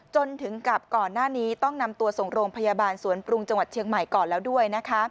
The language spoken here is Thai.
จนถึงกับก่อนหน้านี้ต้องนำตัวส่งโรงพยาบาลสวนปรุงจังหวัดเชียงใหม่ก่อนแล้วด้วยนะคะ